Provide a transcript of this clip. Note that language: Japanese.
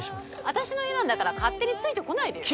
私の家なんだから勝手についてこないでよ。